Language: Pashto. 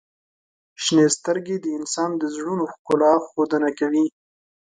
• شنې سترګې د انسان د زړونو ښکلا ښودنه کوي.